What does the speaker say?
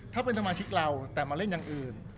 ถ้าเป็นสมาชิกเราแต่มาเล่นอย่างอื่น